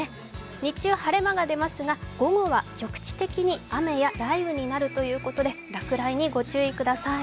日中晴れ間が出ますが、午後は局地的に雨や雷雨になるということで落雷にご注意ください。